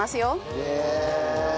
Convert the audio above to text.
へえ！